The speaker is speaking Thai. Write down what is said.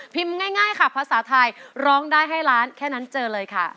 ง่ายค่ะภาษาไทยร้องได้ให้ล้านแค่นั้นเจอเลยค่ะ